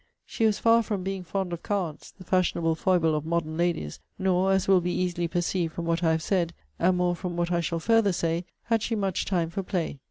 She was far from being fond of cards, the fashionable foible of modern ladies; nor, as will be easily perceived from what I have said, and more from what I shall further say, had she much time for play.